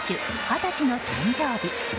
二十歳の誕生日。